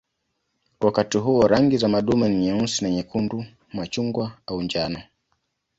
Wakati huo rangi za madume ni nyeusi na nyekundu, machungwa au njano.